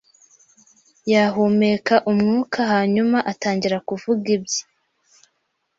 Yahumeka umwuka, hanyuma atangira kuvuga ibye.